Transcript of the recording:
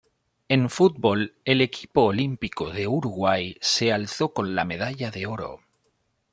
En fútbol el equipo olímpico de Uruguay se alzó con la medalla de oro.